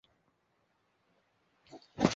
拉米拉里耶人口变化图示